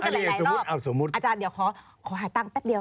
เราจะพูดกันหลายรอบอาจารย์เดี๋ยวขอหายตั้งแป๊บเดียว